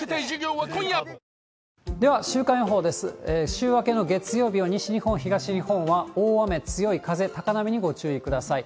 週明けの月曜日は西日本、東日本は大雨、強い風、高波にご注意ください。